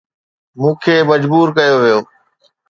مون کي مجبور ڪيو ويو